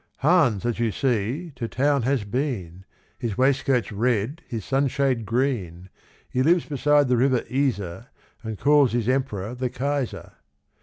Hans, as you see, to town has been; His waistcoat's red, his sunshade green. He lives beside the river Iser, And calls his emperor the Kaiser.